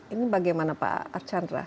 ini bagaimana pak archandra